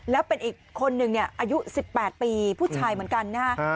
แล้วเป็นอีกคนนึงอายุ๑๘ปีผู้ชายเหมือนกันนะฮะ